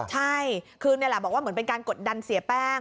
ใช่คือบอกว่าเหมือนเป็นการกดดันเสียบแป้ง